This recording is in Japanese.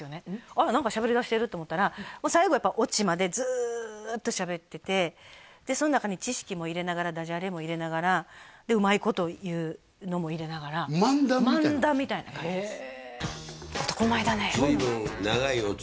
「あら何かしゃべりだしてる」と思ったらもう最後やっぱオチまでずっとしゃべっててでその中に知識も入れながらダジャレも入れながらでうまいこと言うのも入れながら漫談みたいな感じです